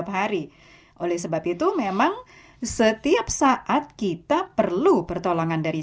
boleh mendapatkan tempat di dalam hati